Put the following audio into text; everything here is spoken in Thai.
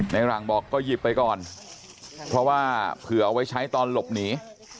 หลังบอกก็หยิบไปก่อนเพราะว่าเผื่อเอาไว้ใช้ตอนหลบหนี